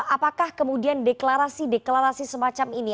apakah kemudian deklarasi deklarasi semacam ini